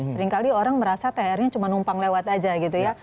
seringkali orang merasa thr nya cuma numpang lewat aja gitu ya